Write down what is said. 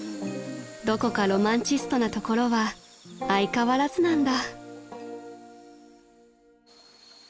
［どこかロマンチストなところは相変わらずなんだ］